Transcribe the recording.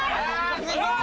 すごい！